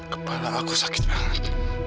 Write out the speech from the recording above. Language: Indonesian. kepala aku sakit banget